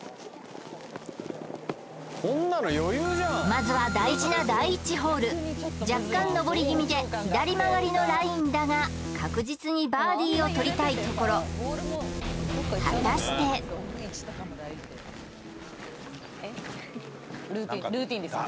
まずは大事な第１ホール若干登りぎみで左曲がりのラインだが確実にバーディーを取りたいところ果たしてルーティンルーティンです